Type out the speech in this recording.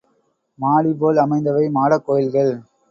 மாடிபோல் அமைந்தவை மாடக் கோயில்கள்.